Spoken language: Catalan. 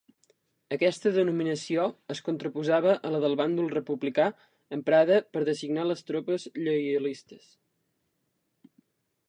Aquesta denominació es contraposava a la del bàndol republicà emprada per designar les tropes lleialistes.